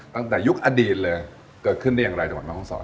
ตั้งแต่ยุคอดีตเลยเกิดขึ้นได้อย่างไรจังหวัดแม่ห้องศร